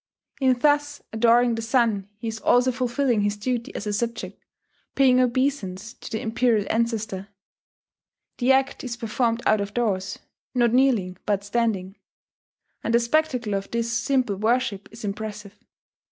In thus adoring the sun he is also fulfilling his duty as a subject, paying obeisance to the Imperial Ancestor .... The act is performed out of doors, not kneeling, but standing; and the spectacle of this simple worship is impressive.